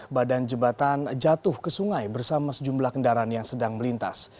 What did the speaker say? badan jembatan jatuh ke sungai bersama sejumlah kendaraan yang sedang melintas